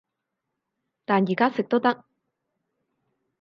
但而家食都得